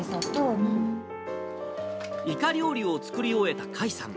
イカ料理を作り終えた甲斐さん。